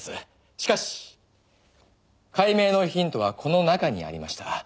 しかし解明のヒントはこの中にありました。